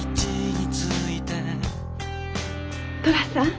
寅さん。